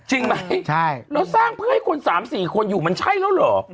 แล้วสร้างเพื่อให้คน๓๔คนอยู่มันใช่หรอ